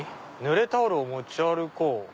「濡れタオルをもち歩こう」。